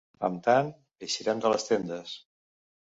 Amb tant, eixírem de les tendes.